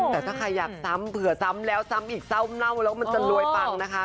แต่ถ้าใครอยากซ้ำเผื่อซ้ำแล้วซ้ำอีกเศร้าเล่าแล้วมันจะรวยปังนะคะ